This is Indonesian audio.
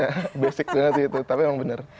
ya basic banget sih itu tapi emang bener